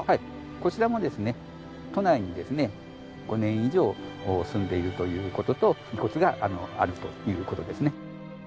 こちらもですね都内にですね５年以上住んでいるという事と遺骨があるという事ですね。